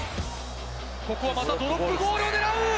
またドロップゴールを狙う！